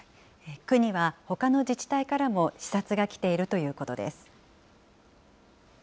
区にはほかの自治体からも視察が来ているということです。